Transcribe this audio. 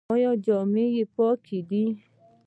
ایا جامې یې پاکې دي؟